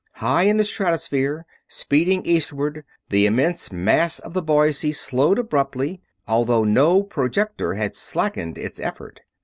High in the stratosphere, speeding eastward, the immense mass of the Boise slowed abruptly, although no projector had slackened its effort.